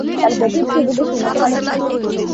তার ব্যাটিংশৈলী বেশ উন্নতমানের ছিল।